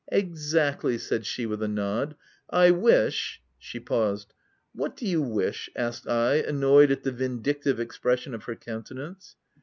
u Exactly/' said she with a nod. "1 wish —" she paused. What do you wish V* asked I, annoyed at the vindictive expression of her countenance.